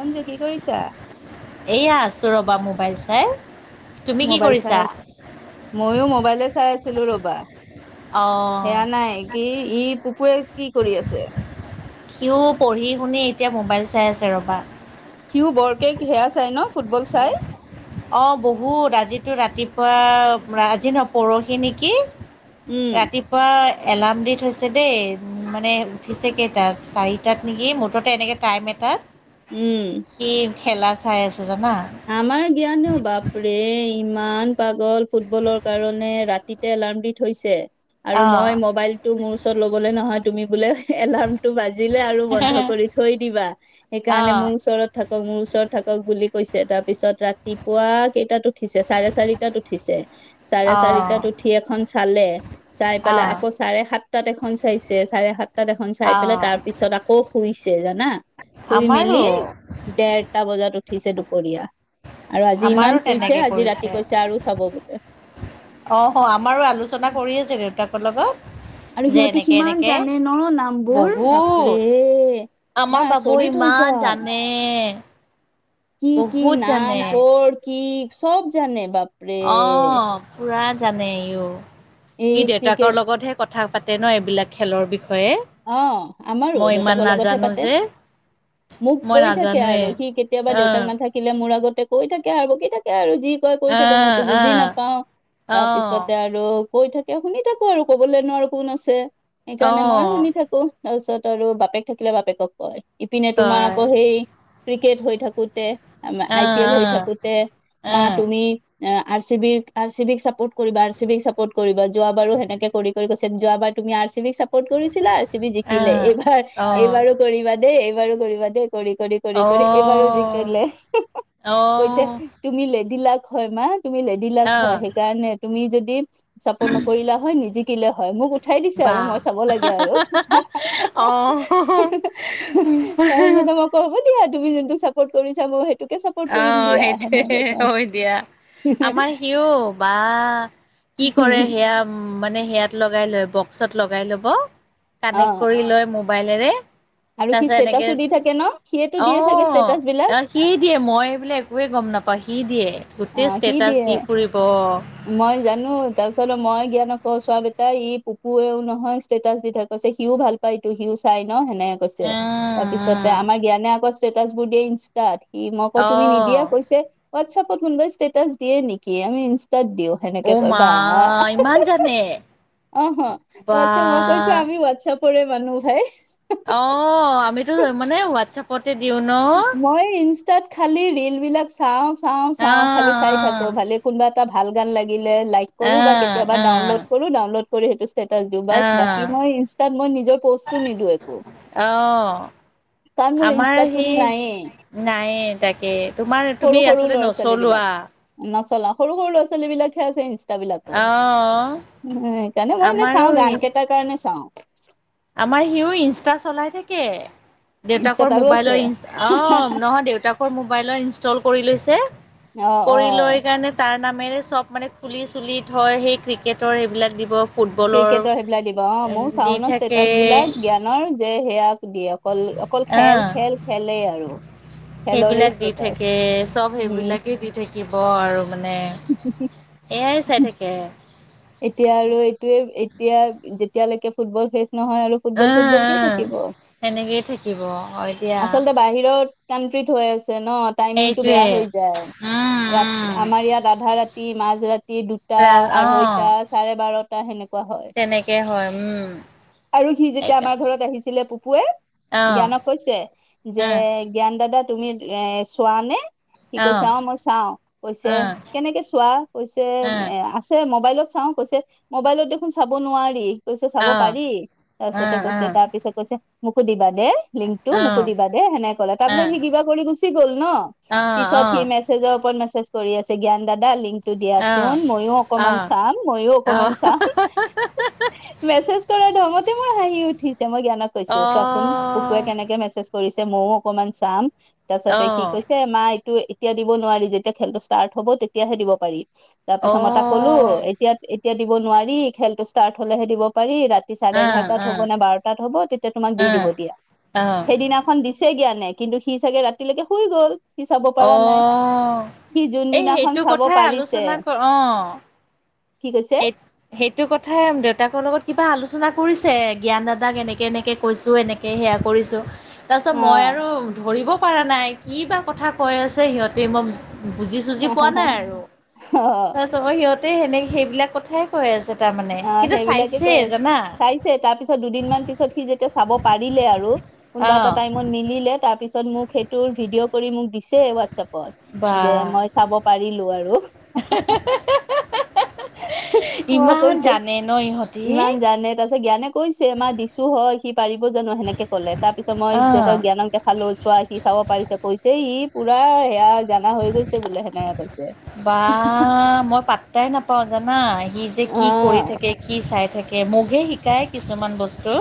অঞ্জু কি কৰিছা? এইয়া আছো ৰ'বা মোৰ মোবাইল চাই আছে। মইয়ো মোবাইলে চাই আছিলো ৰ'বা। অঁ সেয়া নাই। কি ই পুকুৱে কি কৰি আছে? সিও পঢ়ি শুনি এতিয়া মোবাইল চাই আছে ৰ'বা। সিও বৰকে সেয়া চাই ন? ফুটবল চায়। অ' বহুত। আজিতো ৰাতিপুৱা, আজি ন পৰহি নেকি? উম, ৰাতিপুৱা এলাৰ্ম দি থৈছে দেই। মানে, উঠিছে কেইটাত! চাৰিটাত নেকি! মুঠতে এনেকে টাইম এটাত উম। সি খেলা চাই আছে। জানা আমাৰ জ্ঞানো বাপৰে। ইমান পাগল ফুটবলৰ কাৰণে, ৰাতিতে এলাৰ্ম দি থৈছে। আৰু অঁ মই মোবাইলটো মোৰ ওচৰত ল'বলে নহয়, তুমি বোলে এলাৰ্ম বাজিলে আৰু বন্ধ কৰি থৈ দিবা। সেইকাৰণে অঁ মোৰ ওচৰত থাকক, মোৰ ওচৰত থাকক বুলি কৈছে। তাৰ পিছত ৰাতিপুৱা কেইটাত উঠিছে? চাৰে চাৰিটাত উঠিছে। চাৰে অঁ চাৰিটাত উঠি এখন চালে। চাই পেলাই অঁ আকৌ, চাৰে-সাতটাত এখন চাইছে। চাৰে-সাতটাত এখন চাই পেলাই অঁ তাৰ পিছত আকৌ শুই ছে জানা! শুই মেলি আমাৰো দেৰটা বজাত উঠিছে দুপৰীয়া। আৰু আজি আমাৰো ইমান শুইছে, তেনেকৈ আজি ৰাতি কৈছে আৰু চাব বোলে। অ' আমাৰো আলোচনা কৰি আছে দেউতাক আৰু সিহঁতে সিমান জানে ন? নামবোৰ বাপৰে! বহুত মই আমাৰ বাবু আচৰিত হৈ ইমান যাওঁ জানে! কি কি বহুত নাম, জানে ক'ৰ কি, সব জানে। বাপ অ' পুৰা জানে ইও। এই ই ক্ৰিকেট দেউতাকৰ লগতহে কথা কথা পাতে ন! এইবিলাক খেলৰ বিষয়ে। অ' আমাৰো, মই ইমান দেউতাকৰ লগতহে নাজানো পাতে। যে মোক মই কৈ থাকে নাজানোৱে আৰু। সি কেতিয়াবা আহ দেউতাক নাথাকিলে মোৰ আগত তাতে কৈ থাকে আৰু বকি থাকে আৰু! যি কয় কৈ থাকে। মইটো বুজি আহ নাপাও। তাৰ আহ পিছতে আৰু কৈ থাকে, শুনি থাকো আৰু। ক'বলৈনো আৰু কোন আছে? আহ সেইকাৰণে মই আহ শুনি থাকো তাৰপিছত আৰু বাপেক থাকিলে, বাপেকক কয়। ইপিনে তোমাৰ তই আকৌ সেই ক্ৰিকেট হৈ থাকোতে, আহ আই-পি-এল হৈ আহ থাকোতে, মা আহ তুমি আৰ-চি-বি, আৰ-চি-বিক চাপোৰ্ট কৰিবা। আৰ-চি-বিক চাপোৰ্ট কৰিবা। যোৱাবাৰো সেনেকে কৰি কৈছে, যোৱাবাৰ [unintelligible] তুমি আৰচিবিক চাপৰ্ট কৰিছিলা, আৰচিবি জিকিলে। আহ এইবাৰ, আহ এইবাৰো কৰিবা দেই। এইবাৰো কৰিবা দেই। অ কৰি-কৰি-কৰি এইবাৰো জিকিলে। [unintelligible] অ কৈছে তুমি লেদিলাক। [unintelligible] তুমি লেডিলাক আহ হয়। সেইকাৰণে তুমি যদি চাপৰ্ট নকৰিলা হয়, নিজি [unintelligible] থাকিলে হয় মোক উঠাই দিছে আৰু বা মই চাব লাগে আৰু [inaudible] [unintelligible] অ তাৰপিছতে মই ক' দিয়া তুমি যোনটো চাপৰ্ট কৰিছা মইও সেইটো [unintelligible] আহ সেইটোৱেই হয় দিয়া [unintelligible] আমাৰ সিও বা কি কৰে সেয়া উম মানে সেয়াত লগাই লৈ [unintelligible] বক্সত লগাই ল'ব কানেক্ট অ কৰি লৈ মোবাইলেৰে [unintelligible] আৰু সি তাৰপিছত এনেকে ষ্টেটাচো দি থাকে ন সিয়েতো দিয়ে চাগে ষ্টেটাচ বিলাক আহ [unintelligible] সি দিয়ে মই এইবোলে একোৱেই গম নাপাওঁ সি দিয়ে [unintelligible] আহ কি ষ্টেটাচ দিয়ে দি [unintelligible] ফুৰিব। মই জানো তাৰপিছত মই সিহঁতক [unintelligible] ক্ওঁ চোৱা বেটা ই পুপুৱেও নহয় ষ্টেটাছ দি থাকে কৈছে সিও ভাল পায় এইটো সিও চাই ন [unintelligible] ন সেনেকে কৈছে উম, তাৰ পিছতে উম, আমাৰ জ্ঞানে আকৌ ষ্টেটাচবোৰ দিয়ে ইনষ্টাত [unintelligible] [unintelligible] মইকৌ তুমি অ', নিদিয়া কৈছে হোৱাটছএপত কোনোবাই ষ্টেটাছ দিয়ে নেকি আমি [unintelligible] ইনষ্টাত দিওঁ সেনেকে অ', কয় মা বা ইমান [unintelligible] জানে অহ [unintelligible] বা বাচ্ছা মই কৈছো আমি হোৱাটচএপৰে মানুহ ভাই [unintelligible] অঁ আমিতো মানে হোৱাটছএপ মই ইনষ্টাত খালি ৰীল বিলাক চাওঁ। চাওঁ চাওঁ খালি চাই থাকো অ', অ'। ভালি কোনোবা এটা ভাল গান লা গিলে লাইক কৰোঁ বা আহ কেতিয়াবা আহ ডাউনলোড কৰো ডাউনলড সেইটো ষ্টেটাছ দিওঁ বাছ আহ বাকি মই ইষ্টেট মই নিজৰ পষ্টো নিদি একো। অঃ কাৰণ মোৰ আমাৰ ইনষ্টাত স কোনো নায়েই নাইয়ে তাকে তোমাৰ সৰু তুমি আচলতে নচলোৱা। চলাই সৰু সৰু ল'ৰা ছোৱালী বিলাকেহে ইষ্টা বিলাকত। আহ উম সেইকাৰণে মই এনে আমাৰো চাওঁ গান কেইটাৰ কাৰণে চাওঁ। আমাৰ সিও ইনষ্টা চলাই থাকে। দেউতাকৰ ইনষ্টাত আৰু আছে মোবাইলৰ অ নহয় দেউতাকৰ মোবাইলৰ ইনষ্টল কৰি লৈছে। অ কৰি অ লৈ কাৰণে তাৰ নাম মেৰে চব মানে কুলি চুলি থয়, সেই ক্ৰিকেটৰ সেইবিলাক দিব। ফুটবলৰ ক্ৰিকেটৰ সেইবিলাক দিব অ ময়ো দি চাও ন থাকে ষ্টেটাছ বিলাক জ্ঞানৰ যে সেয়াক দিয়ে, অকল অকল খেল আহ খেল খেলেই আৰু। খেলৰে সেইবিলাক দি ষ্টেটাচ থাকে চব উম সেইবিলাকেই দি থাকিব আৰু মানে এয়াই চাই থাকে। এতিয়া আৰু এইটোয়ে এতিয়া যেতিয়ালৈকে ফুটবল শেষ নহয় আৰু ফুটবল উম ফুটবল কি উম থাকিব। সেনেকেই থাকিব হয় দিয়া আচলতে বাহিৰত কান্ট্ৰীত হৈ আছে ন টাইমিংটো বেয়া সেইটোৱে হৈ যায়। ৰাতি উম উম আমাৰ ইয়াত আধা ৰা তি, মাজ ৰাতি দুটা, ৰা অ আঢ়ৈটা, চাৰে বাৰটা সেনে কুৱা হয়, তেনেকে হয় উম আৰু সি যেতিয়া সেইকাৰ আমাৰ ঘৰত আহিছিলে পুৱে অ জ্ঞানক কৈছে যে, অ জ্ঞান দাদা তুমি এ চোৱা নে? সি কৈছে অ মই চাও কৈছে অ কেনেকে চোৱা কৈছে অ এ আছে মোবাইলত চাওঁ কৈছে মোবাইলত দেখোন চাব নোৱাৰি, কৈছে চাব অ অ অ অ অ অ অ অ অ অ অ অ পাৰি তাৰপিছতে কৈছে তাৰ পিছত কৈছে মোকো দিবা। লিংকটো মোকো দিবা দেই লিংকটো সেনেকে কলে, তাৰ পিছত সি কিবা কৰি গুচি গল ন? পিছত সি মেজ জৰ ওপৰত মেছেজ কৰি আছে জ্ঞান দাদা লিংকটো দিয়া চোন মইয়ো অকমান চাম ময়ো অকমান চাম মেছেজ কৰা ঢঙতে মোৰ হাঁহি উঠিল তেতিয়া মই জ্ঞানক কৈছো চোৱাচোন পুপুৱে কেনেকে মেছেজ কৰিছে ময়ো অকনমান চাম। তাৰপিছতে কি কৈছে মা এইটো এতিয়া দিব নোৱাৰি যেতিয়া খেলটো ষ্টাৰ্ট হব তেতিয়াহে দিব পাৰি। তাৰ পিছত মই তাক কলো। এতিয়া এতিয়া দিব নোৱাৰি খেলতটো ষ্টাৰ্ট হলেহে দিব পাৰি ৰা ৰাতি চাৰে অ অ এঘাৰটাত অ হ'ব নে বাৰটাত হ'ব তেতিয়া তোমাক অ দি দিব দিয়া, অ সেইদিনাখন দিছে জ্ঞানে। কিন্তু সি চাগে ৰাতিলৈকে শুই গ'ল সি চাব অ পৰা নাই। সি এই যোনদিনাখন সেইটো চাব কথাই পাৰিছে, কি কৈছে স সেইটো কথাই দেউতাকৰ লগত কিবা আলো আলোচনা কৰিছে। জ্ঞান দাদাক এনেকে এনেকে কৈছোঁ, এনেকৈ সেয়া কৰিছোঁ। তাৰপিছত অ মই আৰু ধৰিব পৰা নাই। কি বা কথা কৈ আছে সিহঁতে, মই বুজি চুজি পোৱা নাই আৰু অ তাৰপাছত মই সিহঁতে সেনেকে সেইবিলাক কথাই কৈ আছে। তাৰ মানে আহ কিন্তু সেইবিলাকে চাইছে কৈ আছে জানা? চাইছে তাৰ পিছত দুদিনমান পিছত সি যেতিয়া চাব পাৰিলে আৰু অ কোনোবা এটা টাইমত মিলে তাৰপিছত মোক সেইটোৰ ভিডিঅ' কৰি মোক দিছে। হোৱাটছএপ বা ত যে মই চাব পাৰিলো আৰু মই ইমান কৈছো জানে ন ইহঁতি ইমান জানে তাৰ পিছত জ্ঞানে কৈছে আমাৰ দিছো হয়। সি পাৰিব জানো? সেনেকে ক'লে তাৰ পিছত মই যেতিয়া অ জ্ঞানক দেখালো চোৱা সি চাব পাৰিছে কৈছে ই পুৰা সেয়া জানা হৈ গৈছে বোলে হেনে বা মই পাত্তাই নাপাওঁ জানা। কি যে কি কৰি থাকে কি চাই থাকে। মোকহে শিকায় কিছুমান বস্তু।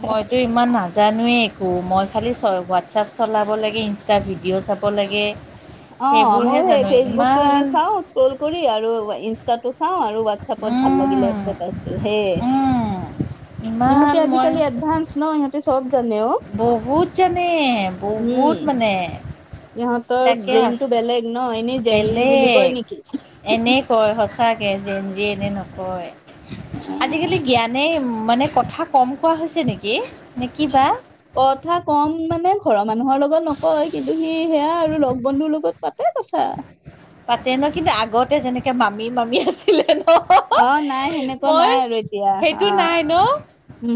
অ মইতো ইমান নাজানোৱেই। মই খালি চ হোৱাটছআপ চলাব লাগে, ইনষ্টা ভিডিঅ' চাব লাগে। অ' মই সেইবোৰহে সেই জানো ফেচবুক টো ইমান এনেই চাওঁ‌। স্ক্ৰল কৰি আৰু ইনষ্ট চাওঁ আৰু হোৱাটছআপত ভাল লাগিলে। উম চেপ হে উম ইমান ইহঁতে মই আজিকালি এডভানস ন ইহঁ‌তে বহুত জানে, বহুত উম মানে। ইহঁতৰ তাকে ব্ৰেইনটো আছো। বেলেগ ন এনেই জেনজি বুলি কয় বেলেগ নেকি এনে কয় সচাঁকে যে নকয় আজিকালি। গিয়ানে কথা নকয় কোৱা হৈছে নেকি নে কিবা? কথা কম মানে ঘৰৰ মানুহৰ লগত নকয়। কিন্তু সি সেয়া আৰু লগ বন্ধুৰ লগত পাতে কথা পাতে ন কিন্তু আগতে যেনেকে মামী মামি আছিলে। অ' নাই সেনেকুৱা মই নাই আৰু এতিয়া সেইটো আহ নাই ন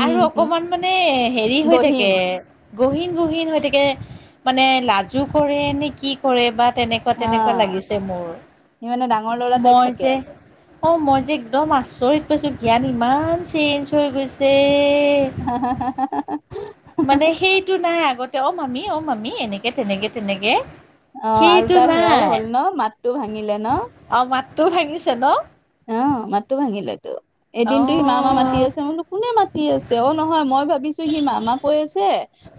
আৰু অকমান মানে হেৰি হৈ থাকে। গহীন গহীন গহীন হৈ থাকে মানে লাজু কৰে নে কি কৰে বা? নো অ তেনেকুৱা লাগিছে মোৰ। সি মানে ডাঙৰ ল'ৰা টাইপ মই থাকে যে আৰু অ' মই যে এক্দম আচৰিত পাইছো জ্ঞান ইমান চেঞ্জ হৈ গৈছে। হা হা মানে সেইটো নাই। আগতে অ মামি অ মামি এনেকে তেনেকে তেনেকে অ' আৰু সেইটো তাৰ সেয়াও নাই হ'ল ন মাতটো ভাঙিলে ন তোৰ ভাঙিছে ন? অ' মতো ভাগিলেতো। অ এদিনতো সি মা মা মাতি আছে মোলো কোনে মাতি আছে অ' নহয় মই ভাবিছো। সি মামা কৈ আছে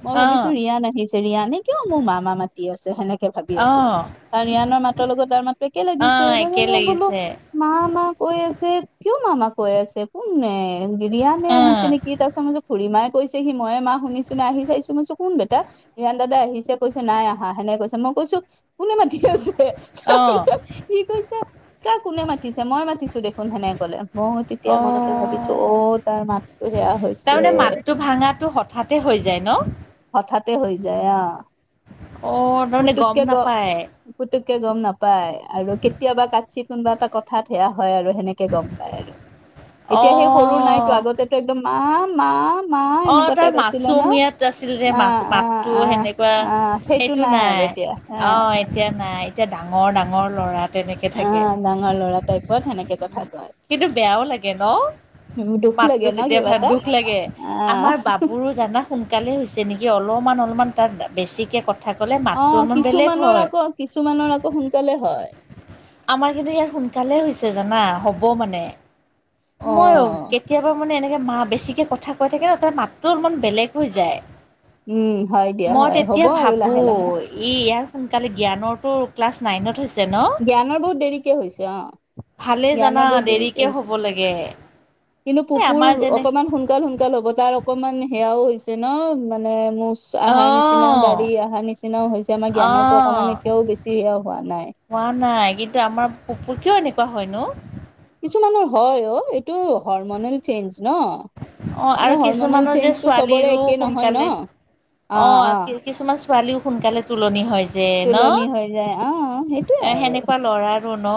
মই অ ভাবিছো ৰিয়ান আহিছে। ৰিয়ানে কিয় মোৰ মামা মাতি আছে সেনেকে ভাবি অ আছোঁ‌ আৰু ৰিয়ানৰ মাতৰ লগত তাৰ মাতো একে অ লাগিছে একে বোলো। লাগিছে মামা কৈ আছে কিয় মামা কৈ আছে কোন নে? গিৰিয়ানে অ আহিছে নেকি তাৰপিছ মই খুৰী মাই কৈছে সি ময়ে মা শুনিছো নাই আহি চাইছো মইছো কোন বেটা ৰিহান দাদা আহিছে কৈছে নাই আহা। সেনে কৈছে মোক। কৈছো কোনে মাতি আছে ত অ পিছ কি কৈছে ত কোনে মাতি মই মাতিছো দেখোন সেনেক ক'লে। মই তেতিয়া অ মনতে ভাবিছো অ' তাৰ মাতটো সেয়া হৈছে। তাৰমানে মাতটো ভাঙাটো হঠাতে হৈ যায় ন? হঠাতে হৈ যায় আহ অ তাৰমানে গম পুতুককে গ নাপায় পুু গম নাপায় আৰু কেতিয়াবা কাটছিত কোনোবা এটা কথাত সেয়া হয়। হয় আৰু সেনেকে গম পায় আৰু অ এতিয়া সেই সৰু নাইতো আগতেো একদম মা, মা। অ' এনেকুৱা তাৰ টাইপ আছিলে ন মাছুম [inaudible] ইয়াত আছিল যে। মাছ আহ আহ মাতো আহ সেনেকুৱা আহ সেইটো নাই আৰু এতিয়া অ আহ এতিয়া নাই এতিয়া ডাঙৰ ডাঙৰ ল'ৰা তেনেকে অ থাকে ডাঙৰ ল'ৰাটাইপত সেনেকে কথা কয় কিন্তু বেয়াও লাগে ন দুখ মাততো লাগে ন যেতিয়া কিবা ভাঙে এটা দুখ লাগে আহ আমাৰ বাবুৰো জানা সোনকালে হৈছে নেকি অলপমান অলপমান বেছিকে ক অ কিছুমানৰ আকৌ কিছুমানৰ আকৌ সোনকালে হয় আমাৰ কিন্তু ইয়াত সোনকালে হৈছে জানা হ'ব মানে অ মইয়ো কেতিয়াবা মানে এনেকাে মা বেছিকে কথা কৈ থাকে ন তাৰ মাতটো অলপমান বেলেগ হৈ যায় উম হয় দিয়া মই হয় হ'ব তেতিয়া আৰু ভাবো লাহে লাহে ই ইয়াৰ সোনকালে জ্ঞানৰতো ক্লাছ নাইনত হৈছে ন জ্ঞানৰ বহুত দেৰিকে হৈছে অ ভালে জানা জ্ঞানৰ বহুত দেৰিকে হ'ব হৈছে লাগে কিন্তু এ পুপুৰ আমাৰ যেনে অকমান সোনকাল সোনকাল হ'ব তাৰ অকমান সেয়াও হৈছে ন মানে মুচ অ অহাৰ নিচিনাও ডাড়ি আহাৰ নিচিনাও হৈছে আমাৰ অ জ্ঞানৰতো অকণমান এতিয়াও বেছি সেয়াও হোৱা নাই হোৱা নাই কিন্তু আমাৰ পুুৰ কিয় এনেকোৱা হয় নো কিছুমানৰ হয় অ এইটো হৰমনেল চেঞ্জ ন অ এইটো আৰু হৰমনেল কিছুমানৰ যে চেঞ্জটো চবৰে ছোৱালীৰো একে নহয় ন সোনকালে অ কি কিছুমান ছোৱালীও সোনকালে তঙলনি হয় যে ন তুলনি হৈ যায় অ সেইটোয়ে এ আৰু সেনেকোৱা ল'ৰাৰো ন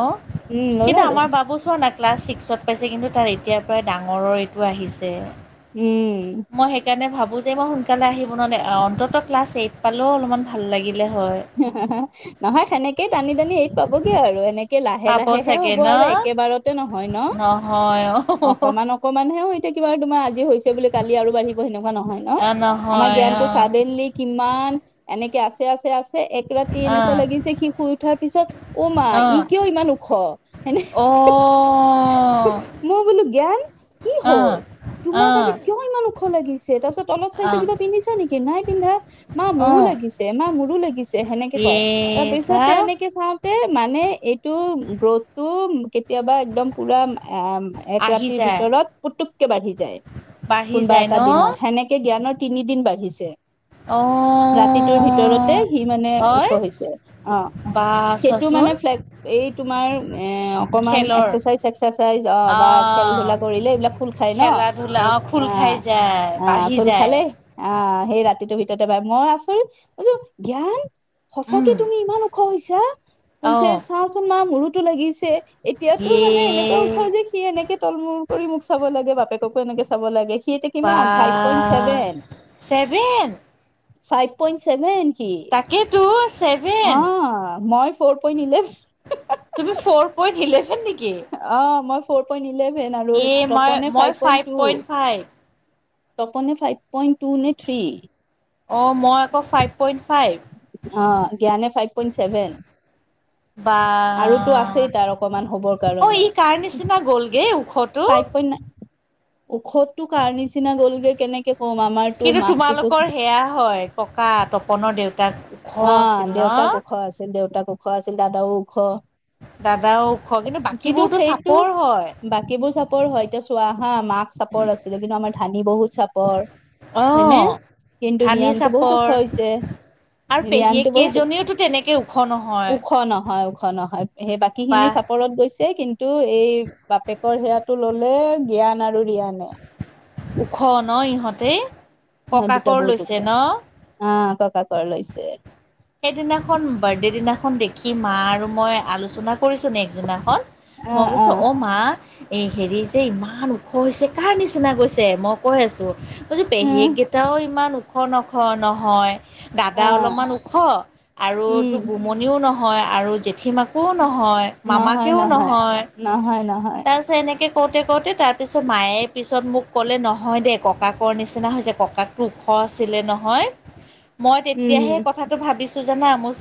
উম কিন্তু লৰাৰো আমাৰ বাবু চোৱা না ক্লাছ ছিক্সত পাইছে কিন্তু তাৰ এতিয়া পৰায় ডাঙৰৰ এইটো আহিছে উম মোৰ যে মই সোনকালে আহিব নোৱাৰে অন্তত ক্লাছ এইট পালেও অলপমান ভাল লাগিল নহয় সেনেকেই টানি টানি এইত পাবগে আৰু এনেকে লাহে পাব লাহেহে চাগে হ'ব ন আৰু একেবাৰতে নহয় ন নহয় অ অকমান অকমানহে হৈ এতিয়া কিবা তোমাৰ আজি হৈছে বুলি কালি আৰু বাঢ়িব সেনেকোৱা নহয় ন অ আমাৰ নহয় অ জ্ঞানতো চাডেনলি কিমান এনেকে আছে আছে আছে এক ৰাতি এনেকোৱা অ লাগিছে সি শুই উঠাৰ পিছত অ মা ই কিয় ইমান ওখ হেনে মই বোলো জ্ঞান কি অ হল তোমাৰ আজি অ কিয় ইমান ও খ লাগিছে তাৰ পিছত তলত চাইছো কিবা পিন্ধিছা নেকি নাই পিন্ধা মা অ মোৰো অ লাগিছে মা মোৰো লাগিছে সেনেকে কয় তাৰ ইয়ে পিছত চা এনেকে চাওঁতে মানে এইটো গ্ৰোথটো কেতিয়াবা একদম পুৰা এ এক আহি ৰাতিৰ যায় ভিতৰত পুতুককে বাঢ়ি যায় বাঢ়ি কোনোবা যায় এটা ন দিনত সেনেকে জ্ঞানৰ তিনিদিন বাঢ়িছে অ ৰাতিটোৰ ভিতৰতে সি মানে ওখ হয় হৈছে অ বা সেইটো চোৱাচোন মানে এই তোমাৰ অকমান খেলৰ এক্সাৰচাইজ এক্সাইজ অ বা খেল ধূলা কৰিলে এইবিলাক খোল খায় ন খেলা স ধূলা খোল অ খাই যায় অ বাঢ়ি খোল যায় খালেই অ সেই ৰাতিটোৰ ভিতৰতে বাই মই আচৰিত বছো জ্ঞান সঁচাকে উম তুমি ইমান ওখ হৈছা অ কৈছে চাওচোন মা মোৰোতো লাগিছে এতিয়াতো মানে এনেকোৱা ওখ ইয়ে যে সি এনেকে তল মূৰ কৰি মোক চাব লাগে বাপেককো এনেকে চাব লাগে সি এতিয়া বা কিমান five point seven seven five point seven. তাকেতো ছেভেন অ মই ফৰ পয়েণ্ট ইলেভেন তুমি ফৰ পয়ন্ট ইলেভেন নেকি অ মই ফ'ৰ পয়েন্ট ইলেভেন আৰু ইয়ে মই তপনে মই five point two point five তপনে ফাইভ পয়েণ্ট টু নে থ্ৰী অ মই আকৌ ফাইভ পয়েন্ট ফাইভ অ জ্ঞানে ফাইভ পয়েণ্ট চেভেন আৰুতো বা আছেই তাৰ অকমান হবৰ অ কাৰণে ই কাৰ নিচিনা গ'লগে ওখটো পাইপ পয়েন্ট ওখটো কাৰ নিচিনা গলগে কেনেকে কম আমাৰতো কিন্তু মাকটো তোমালোকৰ সেয়া হয় ককা তপনৰ দেউতাক ওখ অ আছিল ন দেউতাক ওখ আছিল দেউতাক ওখ আছিল দাদাও ওখ দাদাও ওখ কিন্তু বাকীবোৰতো সেইটো চাপৰ হয় বাকীবোৰ চব চাপৰ হয় এতিয়া চোৱা হা মাক চাপৰ আছিলে কিন্তু আমাৰ অ হয়নে কিন্তু ধানি ৰিয়ানতটো বহুত ওখ চাপৰ হৈছে আৰু পেহীয়েক ৰিয়ানতটো বহুত কেইজনীওতো তেনেকে ওখ নহয় ওখ নহয় ওখ নহয় সেই বাকী বা খিনি চাপৰত গৈছে কিন্তু এই বাপেকৰ সেয়াটো ললে জ্ঞান আৰু ৰিয়ানে ওখ ন ইহঁতে সিহঁত দুটা ককাকৰ বহুত ওখ লৈছে ন আহ ককাকৰ লৈছে সেইদিনাখন বাৰ্থডে দিনাখন দেখি মা আৰু মই আলোচনা কৰিছো নেক্সট দিনাখন মই আহ কৈছো আহ অ মা এই হেৰি যে ইমান ওখ হৈছে কাৰ নিচিনা গৈছে মই কৈ আছো তই যে উম পেহীয়েককেইটাও ইমান ওখ নহয় দাদা আহ অলপমান ওখ উম আৰুতো বুমনিও নহয় আৰু জেঠী মাকো নহয় মামাকেও নহয় নহয় নহয় তাৰ পাছত এনেকে কওঁতে কওঁতে তাৰপিছত মায়ে পিছত মোক ক'লে নহয় দেই ককাকৰ নিচিনা হৈছে ককাকটো ওখ ওখ আছিলেন হয় মই উম তেতিয়াহে কথা টো ভাবিছোঁ জানা